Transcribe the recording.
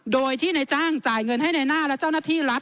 โดยที่นายจ้างจ่ายเงินให้ในหน้าและเจ้าหน้าที่รัฐ